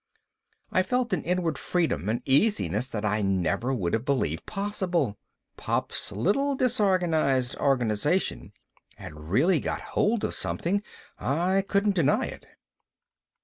I felt an inward freedom and easiness that I never would have believed possible. Pop's little disorganized organization had really got hold of something, I couldn't deny it.